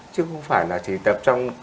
chứ không phải là chỉ tập trong